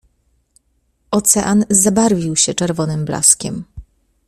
"Ocean zabarwił się czerwonym blaskiem."